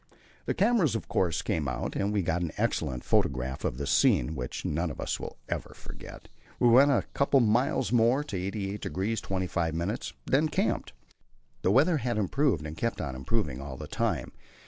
The cameras of course had to come out, and we got an excellent photograph of the scene which none of us will ever forget. We went on a couple of miles more, to 88° 25', and then camped. The weather had improved, and kept on improving all the time.